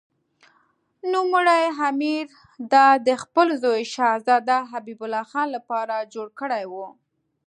نوموړي امیر دا د خپل زوی شهزاده حبیب الله خان لپاره جوړه کړې وه.